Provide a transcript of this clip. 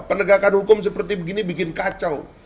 penegakan hukum seperti begini bikin kacau